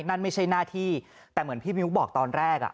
นั้นไม่ใช่หน้าที่แต่เหมือนพี่น้องพิมพ์บอกตอนแรก